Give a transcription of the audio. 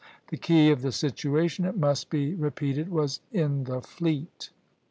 The key of the situation, it must be repeated, was in the fleet.